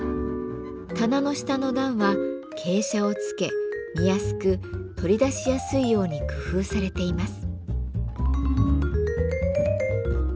棚の下の段は傾斜を付け見やすく取り出しやすいように工夫されています。